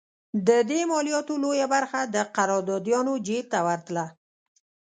د دې مالیاتو لویه برخه د قراردادیانو جېب ته ورتله.